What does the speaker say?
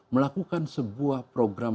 melakukan sebuah program